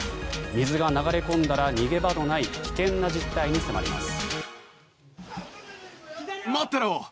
水が流れ込んだら逃げ場のない危険な実態に迫ります。